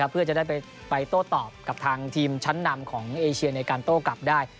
เพื่อจะได้ไปโต้ตอบกับทางทีมชั้นนำของเอเชียในการโต้กลับได้